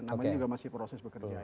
namanya juga masih proses bekerja